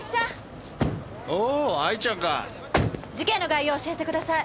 事件の概要教えてください。